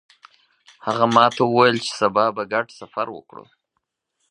هغه ماته وویل چې سبا به ګډ سفر وکړو